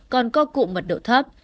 còn có cụ mật độ thấp